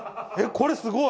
これすごい！